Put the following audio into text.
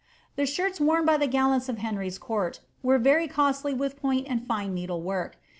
The shirts worn by the gallants of Henry's court were very cosdj with point and fine needle work.